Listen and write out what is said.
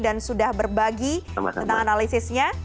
dan sudah berbagi tentang analisisnya